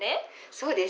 そうです。